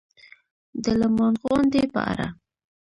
د لمانځغونډې په اړه